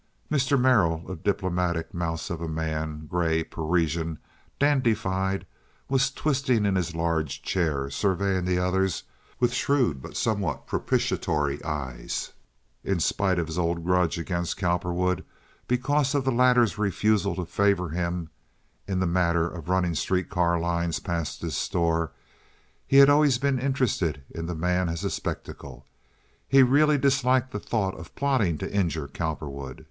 Mr. Merrill, a diplomatic mouse of a man—gray, Parisian, dandified—was twisting in his large chair, surveying the others with shrewd though somewhat propitiatory eyes. In spite of his old grudge against Cowperwood because of the latter's refusal to favor him in the matter of running street car lines past his store, he had always been interested in the man as a spectacle. He really disliked the thought of plotting to injure Cowperwood.